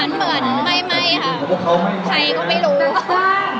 มันเหมือนไม่ค่ะใครก็ไม่รู้